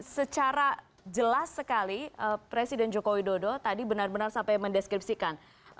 secara jelas sekali presiden joko widodo tadi benar benar sampai mendeskripsikan